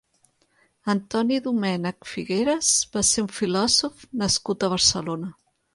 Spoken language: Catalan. Antoni Domènech Figueras va ser un filòsof nascut a Barcelona.